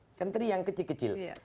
ikan teri yang kecil kecil